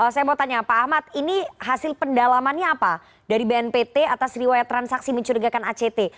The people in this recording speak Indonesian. saya mau tanya pak ahmad ini hasil pendalamannya apa dari bnpt atas riwayat transaksi mencurigakan act